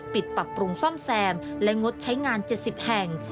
ปรับปรุงซ่อมแซมและงดใช้งาน๗๐แห่ง